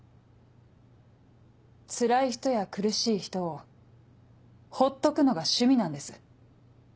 つらい人や苦しい人をほっとくのが趣味なんです。